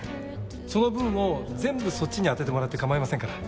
その分を全部そっちに当ててもらって構いませんから。